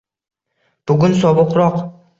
Bugun sovuqroq